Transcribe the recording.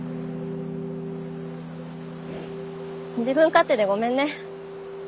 自分勝手でごめんね。